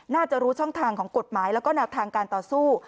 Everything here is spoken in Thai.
น่าจะรู้ช่องทางของกฎหมายแล้วก็แนวทางการต่อสู้